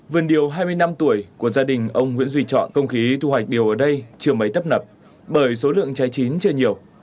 vườn điều hai mươi năm tuổi của gia đình ông nguyễn duy trọng không khí thu hoạch điều ở đây chưa mấy tấp nập bởi số lượng chai chín chưa nhiều